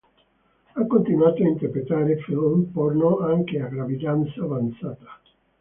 Ha continuato a interpretare film porno anche a gravidanza avanzata.